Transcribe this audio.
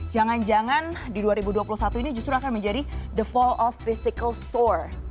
jangan jangan di dua ribu dua puluh satu ini justru akan menjadi the fall of physical store